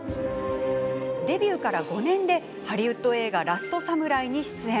デビューから５年でハリウッド映画「ラストサムライ」に出演。